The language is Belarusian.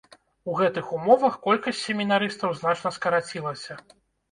У гэтых умовах колькасць семінарыстаў значна скарацілася.